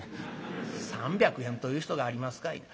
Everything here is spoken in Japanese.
「３００円という人がありますかいな。